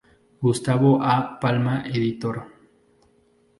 Gustavo A Palma, Editor.